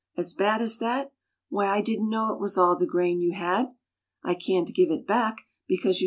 " As bad as that? Why, I didn't know it was all the grain you had. I can't give it back, because you